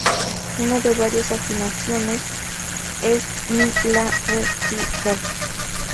Una de varias afinaciones es "mi, la, re, si, do".